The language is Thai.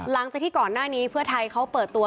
หลังจากที่ก่อนหน้านี้เพื่อไทยเขาเปิดตัว